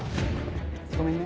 ごめんね。